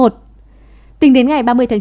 tính đến ngày ba mươi tháng chín